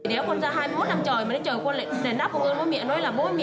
nếu con ra hai mươi một năm trời mà đến trời con lại đánh đáp con ơn bố mẹ nói là bố mẹ